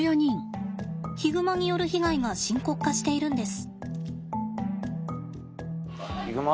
ヒグマによる被害が深刻化しているんです。